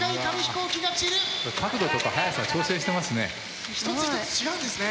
これ角度とか速さ調整してますね。